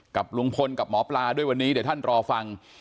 กับลุงพลกับหมอปลาด้วยวันนี้เดี๋ยวท่านรอฟัง